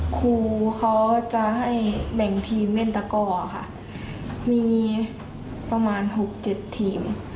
ครูเขาจะให้แบ่งทีมเล่นตะก้อค่ะมีประมาณ๖๗ทีม